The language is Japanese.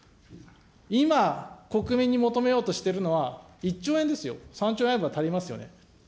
今、国民に求めようとしてるのは、１兆円ですよ、３兆円あれば足りますよね。